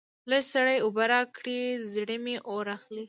لږ سړې اوبه راکړئ؛ زړه مې اور اخلي.